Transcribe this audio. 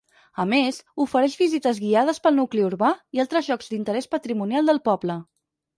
A més, ofereix visites guiades pel nucli urbà i altres llocs d'interès patrimonial del poble.